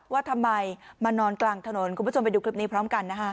ว่าทำไมมานอนกลางถนนคุณผู้ชมไปดูคลิปนี้พร้อมกันนะฮะ